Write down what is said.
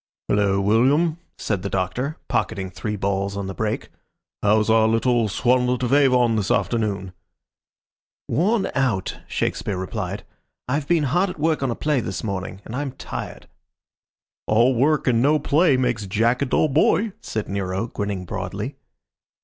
"Hullo, William," said the Doctor, pocketing three balls on the break. "How's our little Swanlet of Avon this afternoon?" "Worn out," Shakespeare replied. "I've been hard at work on a play this morning, and I'm tired." "All work and no play makes Jack a dull boy," said Nero, grinning broadly.